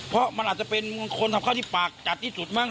เพราะมันอาจจะเป็นมงคลทำเข้าที่ปากจัดที่สุดมั้